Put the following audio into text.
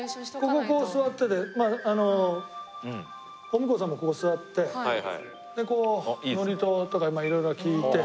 こここう座ってあのお婿さんもここ座ってでこう祝詞とかまあ色々聞いて。